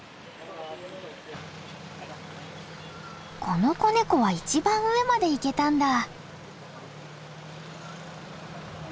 この子ネコは一番上まで行けたんだ。